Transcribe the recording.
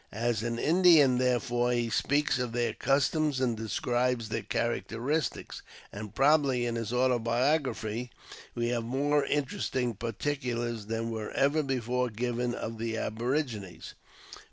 As an Indian, therefore, he speaks of their customs, and describes their characteristics ; and probably, in his autobiography, we have more interesting par ticulars than were ever before given of the aborigines.